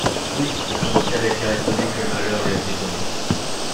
Oui, répondit-elle avec l’air étonné que le malheur lui avait donné.